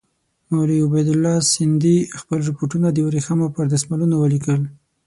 مولوي عبیدالله سندي خپل رپوټونه د ورېښمو پر دسمالونو ولیکل.